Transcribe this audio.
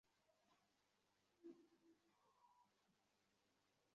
তাহলে একটু এখানে লাগান, আর এখানে, আর এখানে।